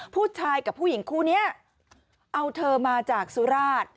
ผู้ชายกับผู้หญิงคู่นี้เอาเธอมาจากสุราช